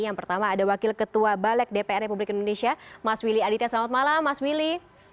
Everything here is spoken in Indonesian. yang pertama ada wakil ketua balek dpr republik indonesia mas willy aditya selamat malam mas willy